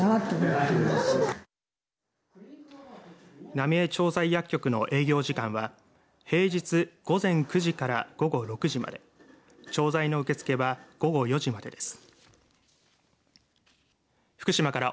なみえ調剤薬局の営業時間は平日午前９時から午後６時まで調剤の受け付けは午後４時までです。